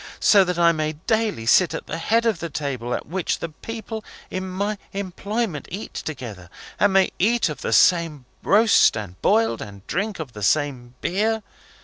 So that I may daily sit at the head of the table at which the people in my employment eat together, and may eat of the same roast and boiled, and drink of the same beer!